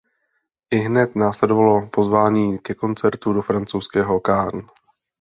Ihned následovalo pozvání ke koncertu do francouzského Cannes.